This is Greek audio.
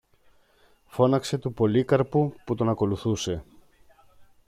φώναξε του Πολύκαρπου που τον ακολουθούσε.